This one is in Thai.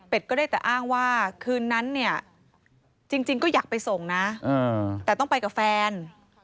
ก็ได้แต่อ้างว่าคืนนั้นเนี่ยจริงก็อยากไปส่งนะแต่ต้องไปกับแฟน